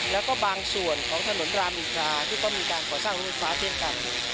แล้วก็บางส่วนของถนนรามอินทราที่ก็มีการก่อสร้างรถไฟฟ้าเช่นกัน